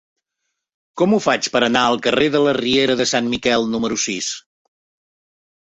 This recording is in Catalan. Com ho faig per anar al carrer de la Riera de Sant Miquel número sis?